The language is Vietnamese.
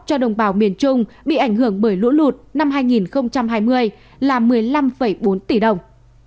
cho đồng bào miền trung bị ảnh hưởng bởi lũ lụt năm hai nghìn hai mươi là một mươi năm bốn tỷ đồng